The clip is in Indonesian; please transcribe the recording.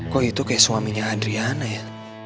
kok itu kayak suaminya adriana ya